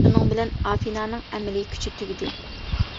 شۇنىڭ بىلەن ئافېنانىڭ ئەمەلىي كۈچى تۈگىدى.